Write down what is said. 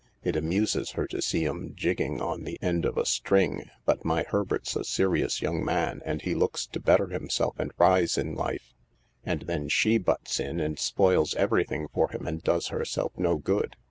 It amuses her to see 'em jigging on the end of a string, But my Herbert's a serious young man, and he looks to better himself and rise in life, and then she butts in and spoils everything for him and does herself no good.